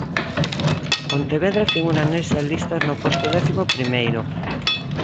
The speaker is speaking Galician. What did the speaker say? Pontevedra figura nesa lista no posto décimo primeiro.